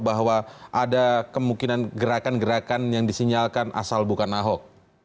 bahwa ada kemungkinan gerakan gerakan yang disinyalkan asal bukan ahok